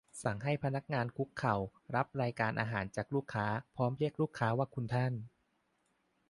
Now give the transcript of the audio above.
สั่งให้พนักงานคุกเข่ารับรายการอาหารจากลูกค้าพร้อมเรียกลูกค้าว่า "คุณท่าน" ?